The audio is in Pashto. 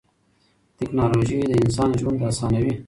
تکنالوژي د انسان ژوند اسانوي.